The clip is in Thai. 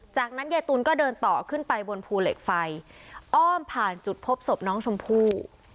จากนั้นยายตูนก็เดินต่อขึ้นไปบนภูเหล็กไฟอ้อมผ่านจุดพบศพน้องชมพู่